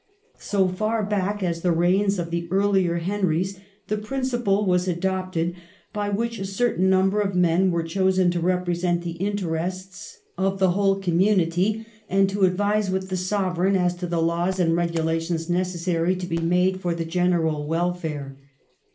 So far back as the reigns of the earlier Henrys the principle was adopted by which a certain number of men were chosen to represent the interests of the If02 14 PARLIAMENTARY CONTROL. 389 whole community, and to advise with the Sovereign as to the laws and regulations necessary to be made for the general welfare.